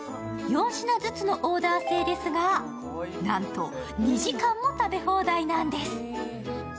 ４品ずつのオーダー制ですが、なんと、２時間も食べ放題なんです。